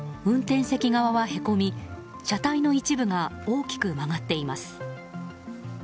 運転席側はへこみ、車体の一部が大きく曲がっています。